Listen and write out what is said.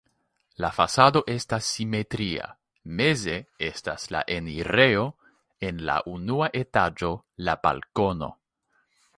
La fasado estas simetria, meze estas la enirejo, en la unua etaĝo la balkono.